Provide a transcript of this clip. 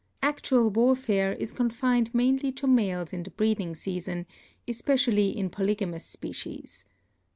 Actual warfare is confined mainly to males in the breeding season, especially in polygamous species.